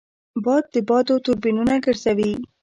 باد د بادو توربینونه ګرځوي